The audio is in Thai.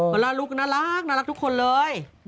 พอลลาร์ลุ๊กน่ารักน่ารักทุกคนเลย